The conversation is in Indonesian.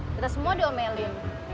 kita semua diomelin